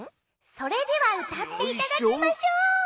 それではうたっていただきましょう。